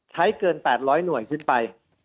เกิน๘๐๐หน่วยขึ้นไป